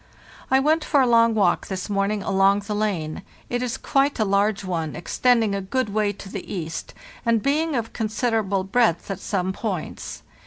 I went for a long walk this morning along the lane; it is quite a large one, extending a good way to the east, and being of con siderable breadth at some points.